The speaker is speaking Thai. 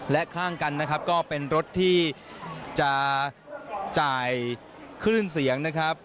และข้างกันนะครับก็เป็นรถที่จะจ่ายคลื่นเสียงนะครับ